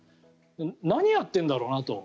何やってるんだろうなと。